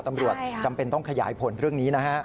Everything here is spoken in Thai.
ตำรวจจำเป็นต้องขยายผลเรื่องนี้